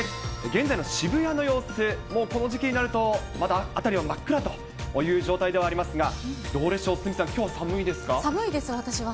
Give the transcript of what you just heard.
現在の渋谷の様子、もうこの時期になると、まだ辺りは真っ暗という状態ではありますが、どうでしょう、寒いです、私は。